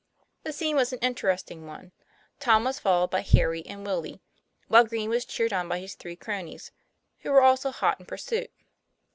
The scene was an interesting one. Tom was fol lowed by Harry and Willie, while Green was cheered on by his three cronies, who were also hot in pur suit.